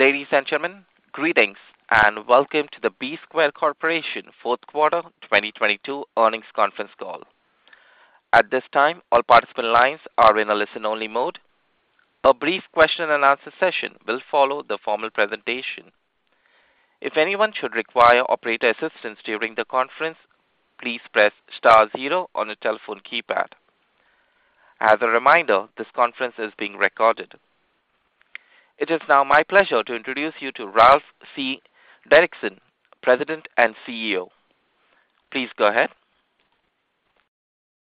Ladies and gentlemen, greetings and welcome to the Bsquare Corporation Fourth Quarter 2022 earnings conference call. At this time, all participant lines are in a listen only mode. A brief question and answer session will follow the formal presentation. If anyone should require operator assistance during the conference, please press star zero on your telephone keypad. As a reminder, this conference is being recorded. It is now my pleasure to introduce you to Ralph C. Derrickson, President and CEO. Please go ahead.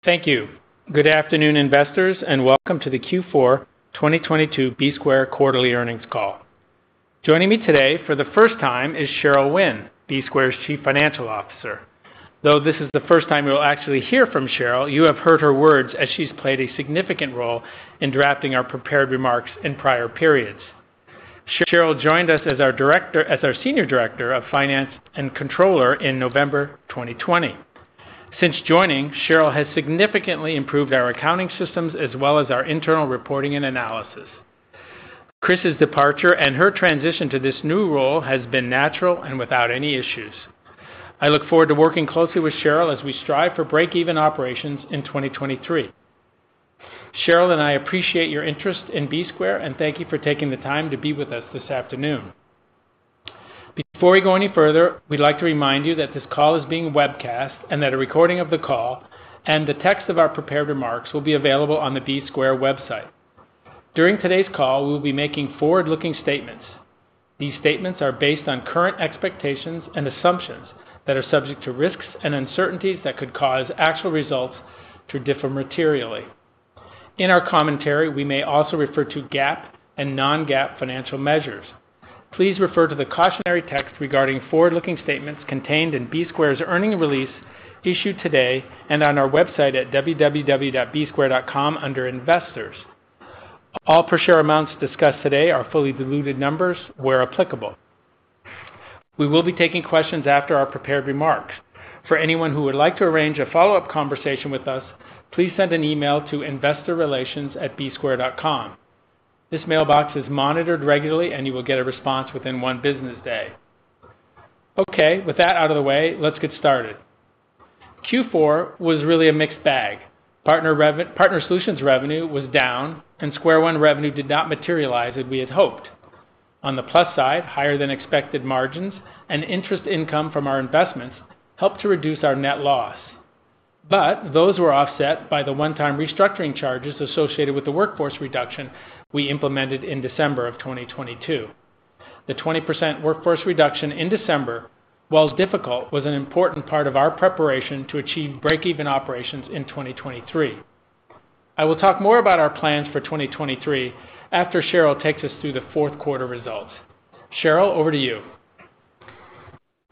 Thank you. Good afternoon, investors, and welcome to the Q4 2022 Bsquare quarterly earnings call. Joining me today for the first time is Cheryl Wynn, Bsquare's Chief Financial Officer. Though this is the first time you'll actually hear from Cheryl, you have heard her words as she's played a significant role in drafting our prepared remarks in prior periods. Cheryl joined us as our Senior Director of Finance and Controller in November 2020. Since joining, Cheryl has significantly improved our accounting systems as well as our internal reporting and analysis. Chris's departure and her transition to this new role has been natural and without any issues. I look forward to working closely with Cheryl as we strive for break-even operations in 2023. Cheryl and I appreciate your interest in Bsquare and thank you for taking the time to be with us this afternoon. Before we go any further, we'd like to remind you that this call is being webcast and that a recording of the call and the text of our prepared remarks will be available on the Bsquare website. During today's call, we'll be making forward-looking statements. These statements are based on current expectations and assumptions that are subject to risks and uncertainties that could cause actual results to differ materially. In our commentary, we may also refer to GAAP and non-GAAP financial measures. Please refer to the cautionary text regarding forward-looking statements contained in Bsquare's earnings release issued today and on our website at www.bsquare.com under Investors. All per share amounts discussed today are fully diluted numbers where applicable. We will be taking questions after our prepared remarks. For anyone who would like to arrange a follow-up conversation with us, please send an email to investorrelations@bsquare.com. You will get a response within one business day. With that out of the way, let's get started. Q4 was really a mixed bag. Partner Solutions revenue was down. SquareOne revenue did not materialize as we had hoped. On the plus side, higher than expected margins and interest income from our investments helped to reduce our net loss. Those were offset by the one-time restructuring charges associated with the workforce reduction we implemented in December of 2022. The 20% workforce reduction in December, while difficult, was an important part of our preparation to achieve break-even operations in 2023. I will talk more about our plans for 2023 after Cheryl takes us through the fourth quarter results. Cheryl, over to you.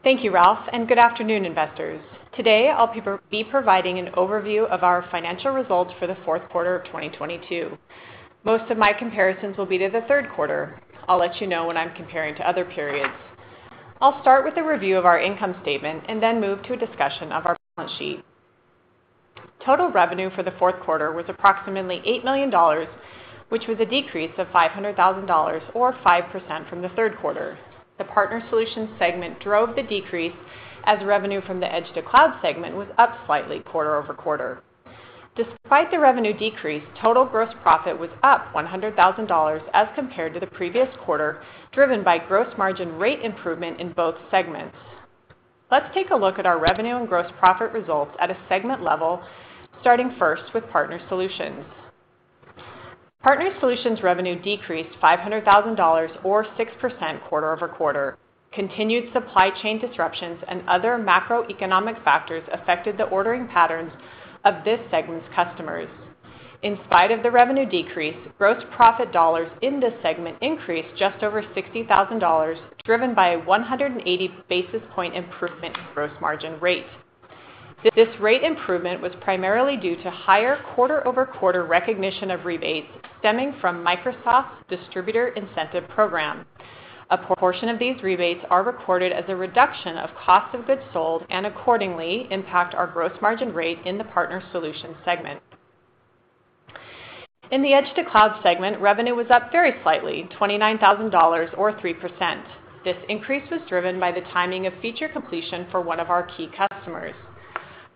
Thank you, Ralph, and good afternoon, investors. Today, I'll be providing an overview of our financial results for the fourth quarter of 2022. Most of my comparisons will be to the third quarter. I'll let you know when I'm comparing to other periods. I'll start with a review of our income statement and then move to a discussion of our balance sheet. Total revenue for the fourth quarter was approximately $8 million, which was a decrease of $500,000 or 5% from the third quarter. The Partner Solutions segment drove the decrease as revenue from the Edge to Cloud segment was up slightly quarter-over-quarter. Despite the revenue decrease, total gross profit was up $100,000 as compared to the previous quarter, driven by gross margin rate improvement in both segments. Let's take a look at our revenue and gross profit results at a segment level, starting first with Partner Solutions. Partner Solutions revenue decreased $500,000 or 6% quarter-over-quarter. Continued supply chain disruptions and other macroeconomic factors affected the ordering patterns of this segment's customers. In spite of the revenue decrease, gross profit dollars in this segment increased just over $60,000, driven by a 180 basis point improvement in gross margin rate. This rate improvement was primarily due to higher quarter-over-quarter recognition of rebates stemming from Microsoft's distributor incentive program. A portion of these rebates are recorded as a reduction of cost of goods sold and accordingly impact our gross margin rate in the Partner Solutions segment. In the Edge to Cloud segment, revenue was up very slightly, $29,000 or 3%. This increase was driven by the timing of feature completion for one of our key customers.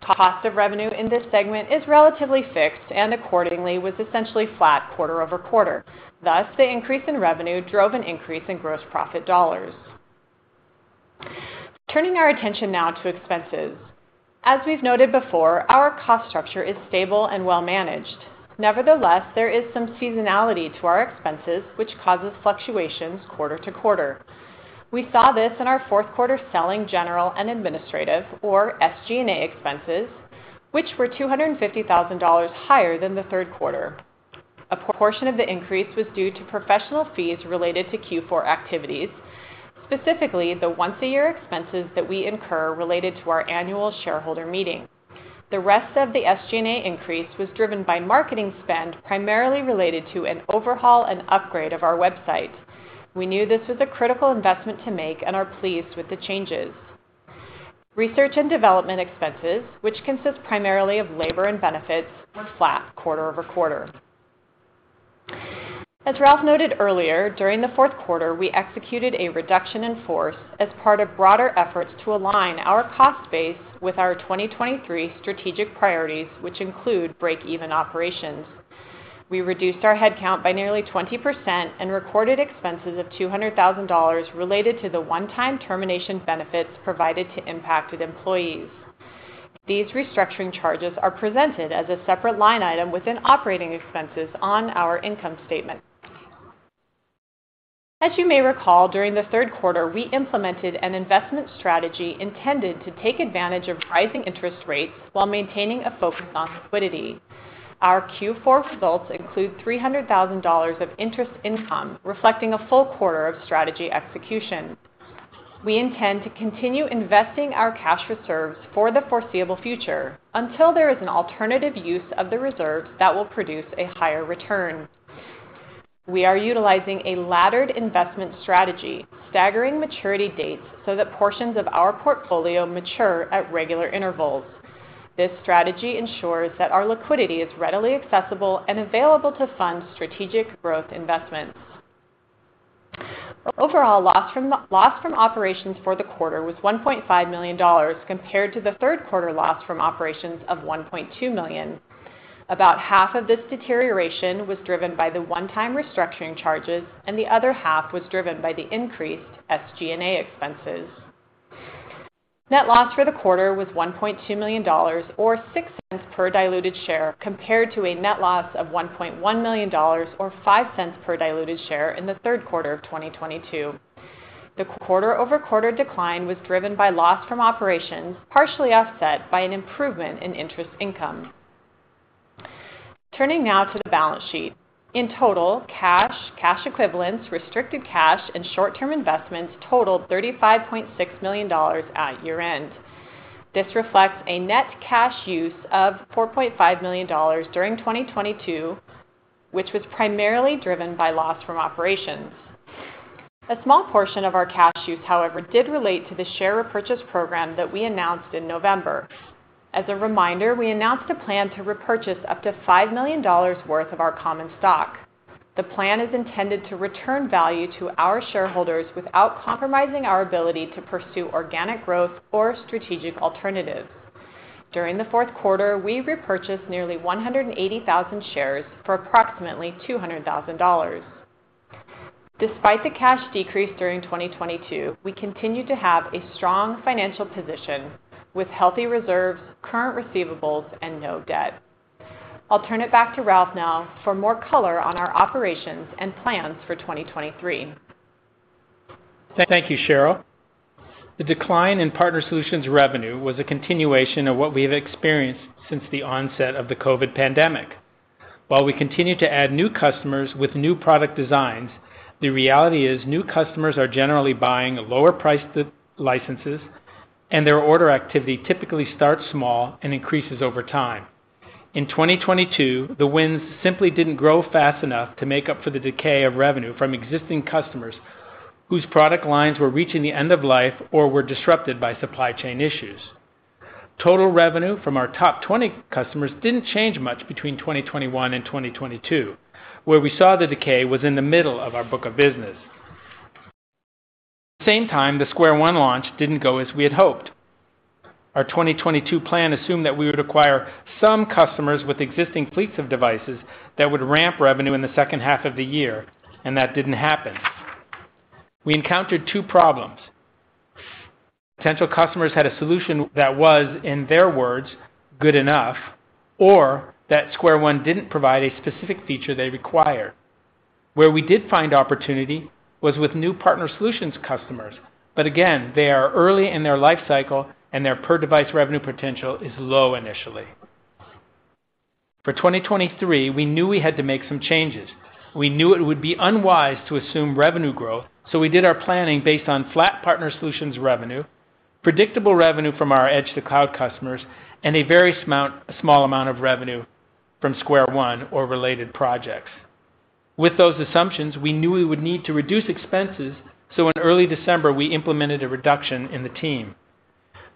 Cost of revenue in this segment is relatively fixed and accordingly was essentially flat quarter-over-quarter. The increase in revenue drove an increase in gross profit dollars. Turning our attention now to expenses. As we've noted before, our cost structure is stable and well managed. There is some seasonality to our expenses which causes fluctuations quarter to quarter. We saw this in our fourth quarter selling, general, and administrative or SG&A expenses, which were $250,000 higher than the third quarter. A portion of the increase was due to professional fees related to Q4 activities, specifically the once a year expenses that we incur related to our annual shareholder meeting. The rest of the SG&A increase was driven by marketing spend primarily related to an overhaul and upgrade of our website. We knew this was a critical investment to make and are pleased with the changes. Research and development expenses, which consist primarily of labor and benefits, were flat quarter-over-quarter. As Ralph noted earlier, during the fourth quarter, we executed a reduction in force as part of broader efforts to align our cost base with our 2023 strategic priorities, which include break-even operations. We reduced our headcount by nearly 20% and recorded expenses of $200,000 related to the one-time termination benefits provided to impacted employees. These restructuring charges are presented as a separate line item within operating expenses on our income statement. As you may recall, during the third quarter, we implemented an investment strategy intended to take advantage of rising interest rates while maintaining a focus on liquidity. Our Q4 results include $300,000 of interest income, reflecting a full quarter of strategy execution. We intend to continue investing our cash reserves for the foreseeable future until there is an alternative use of the reserves that will produce a higher return. We are utilizing a laddered investment strategy, staggering maturity dates so that portions of our portfolio mature at regular intervals. This strategy ensures that our liquidity is readily accessible and available to fund strategic growth investments. Overall loss from operations for the quarter was $1.5 million compared to the third quarter loss from operations of $1.2 million. About half of this deterioration was driven by the one-time restructuring charges. The other half was driven by the increased SG&A expenses. Net loss for the quarter was $1.2 million or $0.06 per diluted share compared to a net loss of $1.1 million or $0.05 per diluted share in the third quarter of 2022. The quarter-over-quarter decline was driven by loss from operations, partially offset by an improvement in interest income. Turning now to the balance sheet. In total, cash equivalents, restricted cash, and short-term investments totaled $35.6 million at year-end. This reflects a net cash use of $4.5 million during 2022, which was primarily driven by loss from operations. A small portion of our cash use, however, did relate to the share repurchase program that we announced in November. As a reminder, we announced a plan to repurchase up to $5 million worth of our common stock. The plan is intended to return value to our shareholders without compromising our ability to pursue organic growth or strategic alternatives. During the fourth quarter, we repurchased nearly 180,000 shares for approximately $200,000. Despite the cash decrease during 2022, we continue to have a strong financial position with healthy reserves, current receivables, and no debt. I'll turn it back to Ralph now for more color on our operations and plans for 2023. Thank you, Cheryl. The decline in Partner Solutions revenue was a continuation of what we have experienced since the onset of the COVID pandemic. While we continue to add new customers with new product designs, the reality is new customers are generally buying lower-priced licenses, and their order activity typically starts small and increases over time. In 2022, the wins simply didn't grow fast enough to make up for the decay of revenue from existing customers whose product lines were reaching the end of life or were disrupted by supply chain issues. Total revenue from our top 20 customers didn't change much between 2021 and 2022. Where we saw the decay was in the middle of our book of business. At the same time, the SquareOne launch didn't go as we had hoped. Our 2022 plan assumed that we would acquire some customers with existing fleets of devices that would ramp revenue in the second half of the year. That didn't happen. We encountered 2 problems. Potential customers had a solution that was, in their words, "good enough" or that SquareOne didn't provide a specific feature they required. Where we did find opportunity was with new Partner Solutions customers. Again, they are early in their life cycle, and their per-device revenue potential is low initially. For 2023, we knew we had to make some changes. We knew it would be unwise to assume revenue growth. We did our planning based on flat Partner Solutions revenue, predictable revenue from our edge-to-cloud customers, and a very small amount of revenue from SquareOne or related projects. With those assumptions, we knew we would need to reduce expenses. In early December, we implemented a reduction in the team.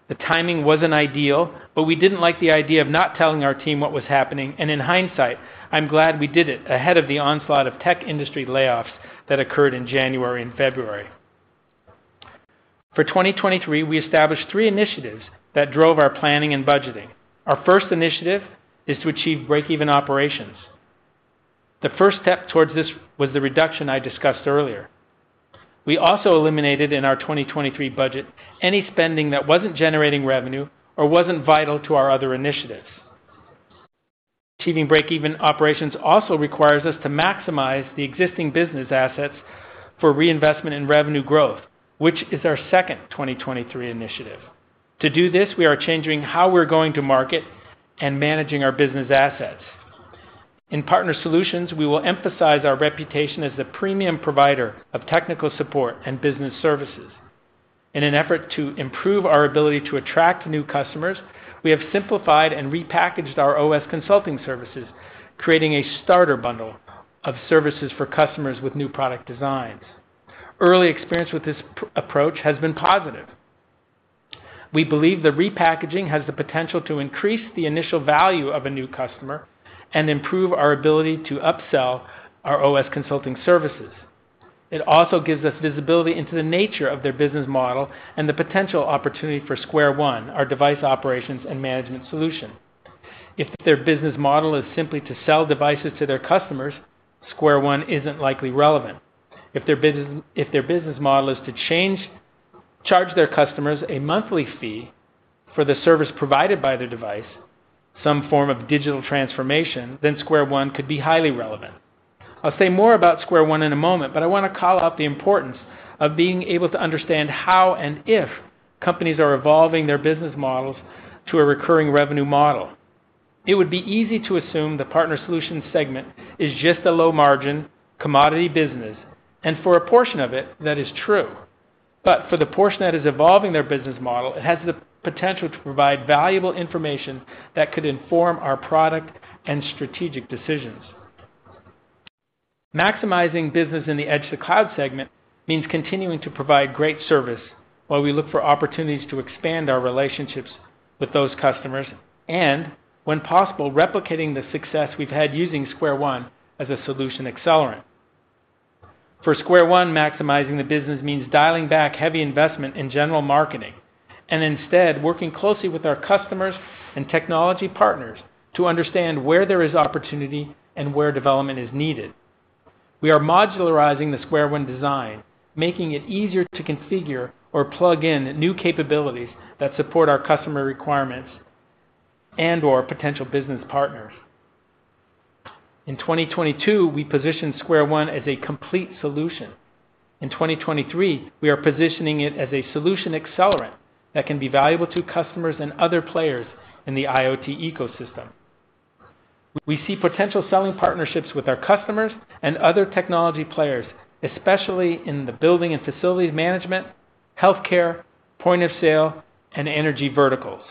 The timing wasn't ideal. We didn't like the idea of not telling our team what was happening, and in hindsight, I'm glad we did it ahead of the onslaught of tech industry layoffs that occurred in January and February. For 2023, we established three initiatives that drove our planning and budgeting. Our first initiative is to achieve break-even operations. The first step towards this was the reduction I discussed earlier. We also eliminated in our 2023 budget any spending that wasn't generating revenue or wasn't vital to our other initiatives. Achieving break-even operations also requires us to maximize the existing business assets for reinvestment in revenue growth, which is our second 2023 initiative. To do this, we are changing how we're going to market and managing our business assets. In Partner Solutions, we will emphasize our reputation as the premium provider of technical support and business services. In an effort to improve our ability to attract new customers, we have simplified and repackaged our OS consulting services, creating a starter bundle of services for customers with new product designs. Early experience with this approach has been positive. We believe the repackaging has the potential to increase the initial value of a new customer and improve our ability to upsell our OS consulting services. It also gives us visibility into the nature of their business model and the potential opportunity for Square 1, our device operations and management solution. If their business model is simply to sell devices to their customers, Square 1 isn't likely relevant. If their business model is to charge their customers a monthly fee for the service provided by the device, some form of digital transformation, then SquareOne could be highly relevant. I'll say more about SquareOne in a moment, but I wanna call out the importance of being able to understand how and if companies are evolving their business models to a recurring revenue model. It would be easy to assume the Partner Solutions segment is just a low margin commodity business, and for a portion of it, that is true. For the portion that is evolving their business model, it has the potential to provide valuable information that could inform our product and strategic decisions. Maximizing business in the Edge to Cloud segment means continuing to provide great service while we look for opportunities to expand our relationships with those customers and, when possible, replicating the success we've had using SquareOne as a solution accelerant. For SquareOne, maximizing the business means dialing back heavy investment in general marketing and instead working closely with our customers and technology partners to understand where there is opportunity and where development is needed. We are modularizing the SquareOne design, making it easier to configure or plug in new capabilities that support our customer requirements and/or potential business partners. In 2022, we positioned SquareOne as a complete solution. In 2023, we are positioning it as a solution accelerant that can be valuable to customers and other players in the IoT ecosystem. We see potential selling partnerships with our customers and other technology players, especially in the building and facilities management, healthcare, point of sale, and energy verticals.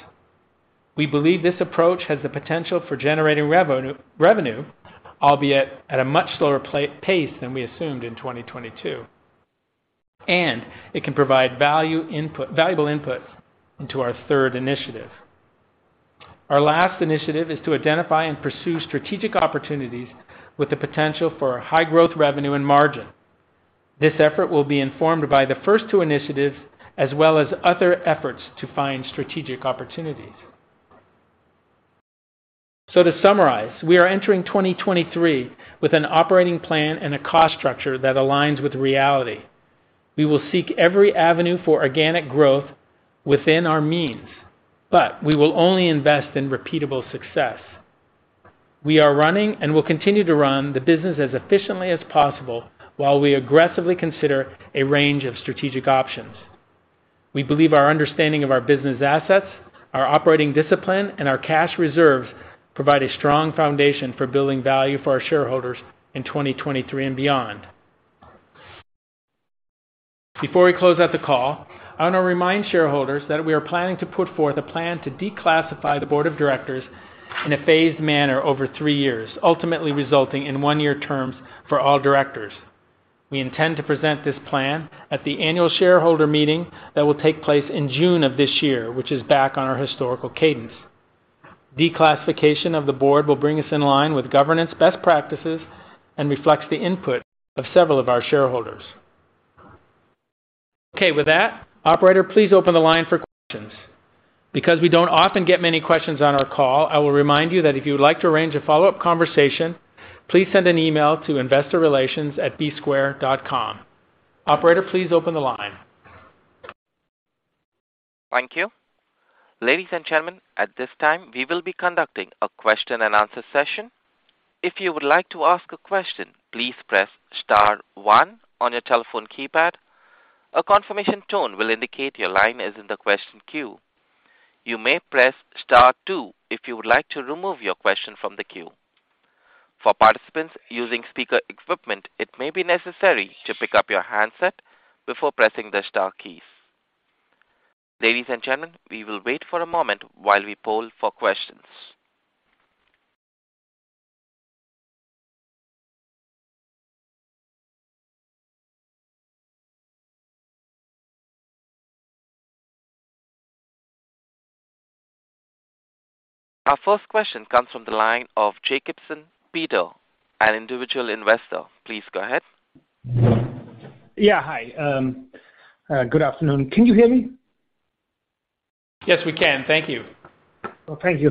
We believe this approach has the potential for generating revenue, albeit at a much slower pace than we assumed in 2022, and it can provide valuable inputs into our third initiative. Our last initiative is to identify and pursue strategic opportunities with the potential for high growth revenue and margin. This effort will be informed by the first two initiatives as well as other efforts to find strategic opportunities. To summarize, we are entering 2023 with an operating plan and a cost structure that aligns with reality. We will seek every avenue for organic growth within our means, but we will only invest in repeatable success. We are running and will continue to run the business as efficiently as possible while we aggressively consider a range of strategic options. We believe our understanding of our business assets, our operating discipline, and our cash reserves provide a strong foundation for building value for our shareholders in 2023 and beyond. Before we close out the call, I want to remind shareholders that we are planning to put forth a plan to declassify the board of directors in a phased manner over three years, ultimately resulting in one-year terms for all directors. We intend to present this plan at the annual shareholder meeting that will take place in June of this year, which is back on our historical cadence. Declassification of the board will bring us in line with governance best practices and reflects the input of several of our shareholders. Okay, with that, operator, please open the line for questions. We don't often get many questions on our call, I will remind you that if you would like to arrange a follow-up conversation, please send an email to investorrelations@bsquare.com. Operator, please open the line. Thank you. Ladies and gentlemen, at this time, we will be conducting a question and answer session. If you would like to ask a question, please press star one on your telephone keypad. A confirmation tone will indicate your line is in the question queue. You may press star two if you would like to remove your question from the queue. For participants using speaker equipment, it may be necessary to pick up your handset before pressing the star keys. Ladies and gentlemen, we will wait for a moment while we poll for questions. Our first question comes from the line of Jacobson Beetle, an individual investor. Please go ahead. Yeah, hi. good afternoon. Can you hear me? Yes, we can. Thank you. Well, thank you.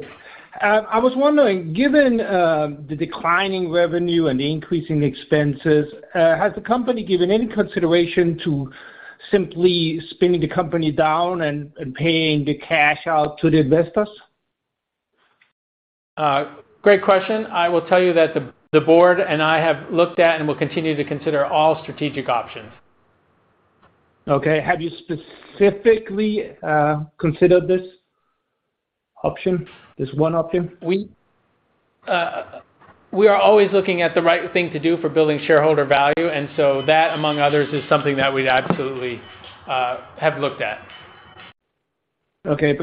I was wondering, given the declining revenue and the increasing expenses, has the company given any consideration to simply spinning the company down and paying the cash out to the investors? Great question. I will tell you that the board and I have looked at and will continue to consider all strategic options. Okay. Have you specifically considered this option, this one option? We are always looking at the right thing to do for building shareholder value, and so that, among others, is something that we'd absolutely, have looked at. Okay.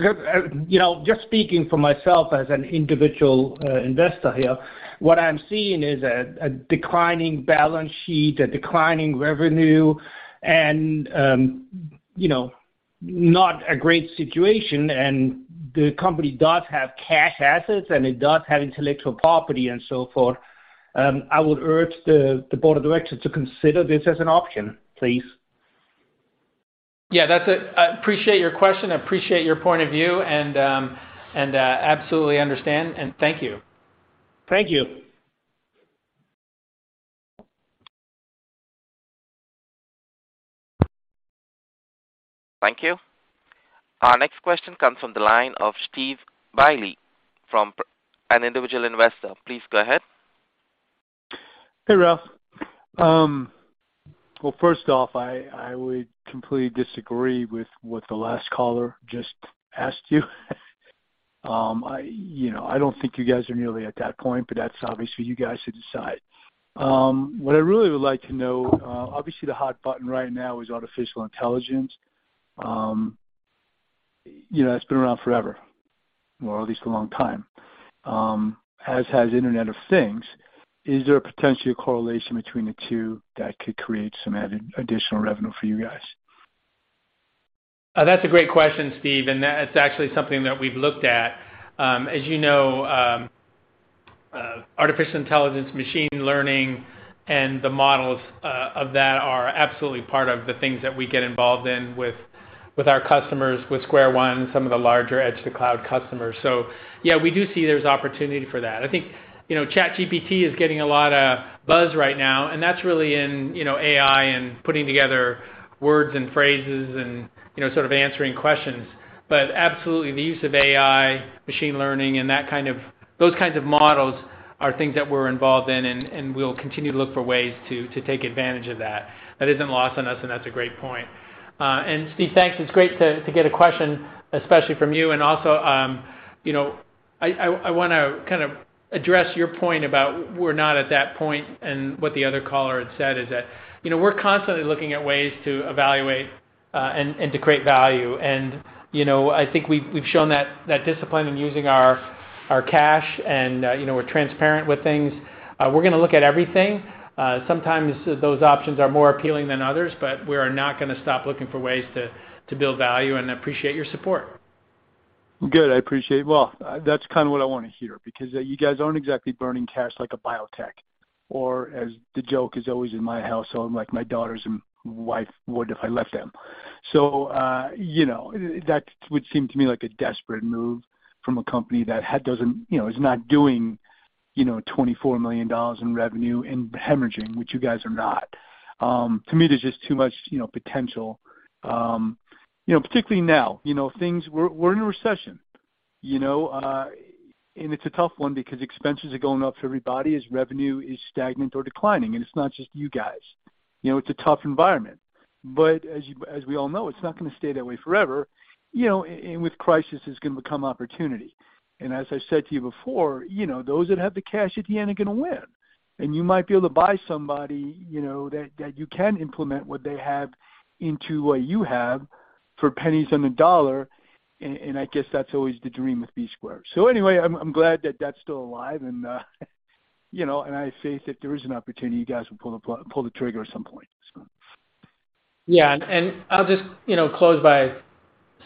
You know, just speaking for myself as an individual investor here, what I'm seeing is a declining balance sheet, a declining revenue and, you know, not a great situation. The company does have cash assets, and it does have intellectual property and so forth. I would urge the board of directors to consider this as an option, please. Yeah, I appreciate your question. I appreciate your point of view and, absolutely understand, and thank you. Thank you. Thank you. Our next question comes from the line of Steve Bailey from an individual investor. Please go ahead. Hey, Ralph. Well, first off, I would completely disagree with what the last caller just asked you. I, you know, I don't think you guys are nearly at that point, but that's obviously you guys to decide. What I really would like to know, obviously the hot button right now is artificial intelligence. You know, it's been around forever or at least a long time, as has Internet of Things. Is there a potentially a correlation between the two that could create some added additional revenue for you guys? That's a great question, Steve, and that's actually something that we've looked at. As you know, artificial intelligence, machine learning, and the models of that are absolutely part of the things that we get involved in with our customers with SquareOne, some of the larger edge-to-cloud customers. Yeah, we do see there's opportunity for that. I think, you know, ChatGPT is getting a lot of buzz right now, and that's really in, you know, AI and putting together words and phrases and, you know, sort of answering questions. Absolutely, the use of AI, machine learning, and those kinds of models are things that we're involved in, and we'll continue to look for ways to take advantage of that. That isn't lost on us, and that's a great point. Steve, thanks. It's great to get a question, especially from you. You know, I wanna kind of address your point about we're not at that point and what the other caller had said is that, you know, we're constantly looking at ways to evaluate and to create value. You know, I think we've shown that discipline in using our cash and, you know, we're transparent with things. We're gonna look at everything. Sometimes those options are more appealing than others, but we are not gonna stop looking for ways to build value and appreciate your support. Good. I appreciate. Well, that's kinda what I wanna hear because you guys aren't exactly burning cash like a biotech or as the joke is always in my household, like my daughters and wife would if I left them. You know, that would seem to me like a desperate move from a company that doesn't, you know, is not doing, you know, $24 million in revenue and hemorrhaging, which you guys are not. To me, there's just too much, you know, potential, you know, particularly now. You know, things. We're in a recession, you know? It's a tough one because expenses are going up for everybody as revenue is stagnant or declining. It's not just you guys. You know, it's a tough environment. As we all know, it's not gonna stay that way forever. You know, with crisis, it's gonna become opportunity. As I said to you before, you know, those that have the cash at the end are gonna win. You might be able to buy somebody, you know, that you can implement what they have into what you have for pennies on the dollar. I guess that's always the dream with B Square. Anyway, I'm glad that that's still alive and, you know, I say if there is an opportunity you guys will pull the trigger at some point. Yeah. I'll just, you know, close by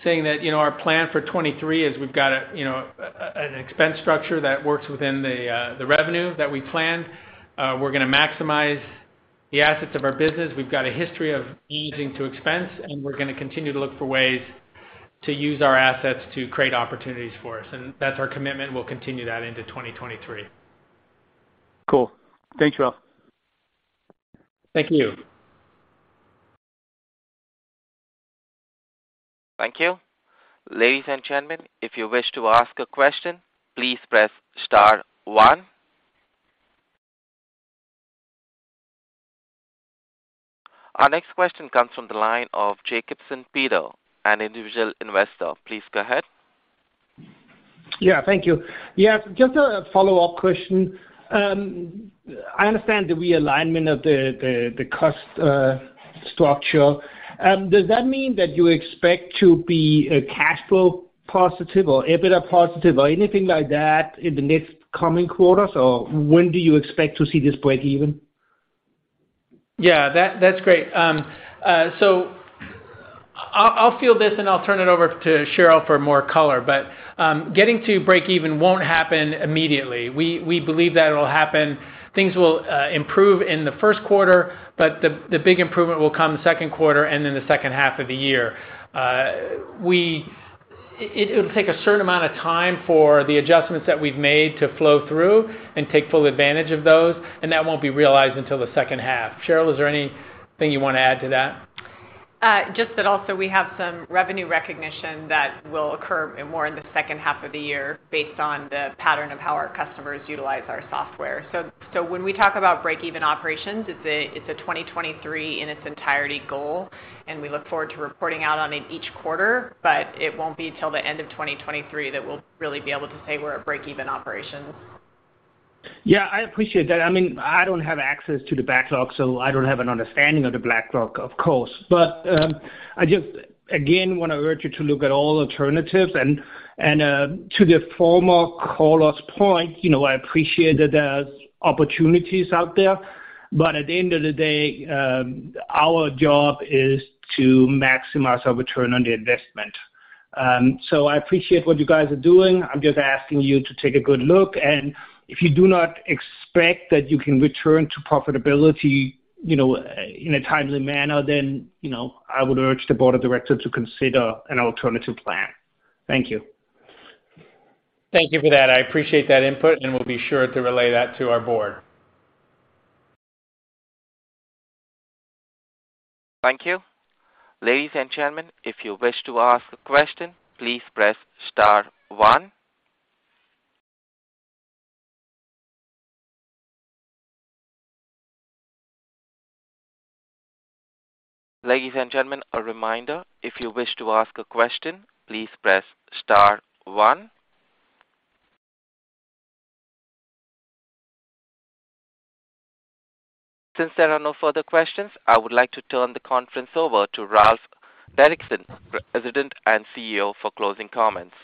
saying that, you know, our plan for 2023 is we've got an expense structure that works within the revenue that we planned. We're gonna maximize the assets of our business. We've got a history of easing to expense, and we're gonna continue to look for ways to use our assets to create opportunities for us. That's our commitment, we'll continue that into 2023. Cool. Thanks, Ralph. Thank you. Thank you. Ladies and gentlemen, if you wish to ask a question, please press star one. Our next question comes from the line of Jacobson Peter, an individual investor. Please go ahead. Yeah, thank you. Yeah, just a follow-up question. I understand the realignment of the cost structure. Does that mean that you expect to be a cash flow positive or EBITDA positive or anything like that in the next coming quarters? Or when do you expect to see this break even? Yeah, that's great. I'll field this, and I'll turn it over to Cheryl for more color. Getting to break even won't happen immediately. We believe that it'll happen... Things will improve in the first quarter, but the big improvement will come second quarter and then the second half of the year. It would take a certain amount of time for the adjustments that we've made to flow through and take full advantage of those, and that won't be realized until the second half. Cheryl, is there anything you wanna add to that? Just that also we have some revenue recognition that will occur more in the second half of the year based on the pattern of how our customers utilize our software. When we talk about break-even operations, it's a, it's a 2023 in its entirety goal, and we look forward to reporting out on it each quarter, but it won't be till the end of 2023 that we'll really be able to say we're at break-even operations. Yeah, I appreciate that. I mean, I don't have access to the backlog, so I don't have an understanding of the backlog, of course. I just, again, wanna urge you to look at all alternatives. To the former caller's point, you know, I appreciate that there's opportunities out there, but at the end of the day, our job is to maximize our return on the investment. I appreciate what you guys are doing. I'm just asking you to take a good look, and if you do not expect that you can return to profitability, you know, in a timely manner, then, you know, I would urge the board of directors to consider an alternative plan. Thank you. Thank you for that. I appreciate that input, and we'll be sure to relay that to our board. Thank you. Ladies and gentlemen, if you wish to ask a question, please press star one. Ladies and gentlemen, a reminder, if you wish to ask a question, please press star one. Since there are no further questions, I would like to turn the conference over to Ralph C. Derrickson, President and CEO, for closing comments.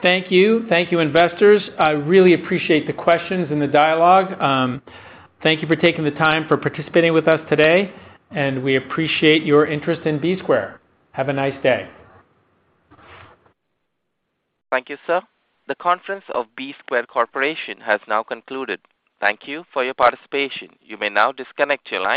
Thank you. Thank you, investors. I really appreciate the questions and the dialogue. Thank you for taking the time for participating with us today. We appreciate your interest in B Square. Have a nice day. Thank you, sir. The conference of Bsquare Corporation has now concluded. Thank you for your participation. You may now disconnect your line.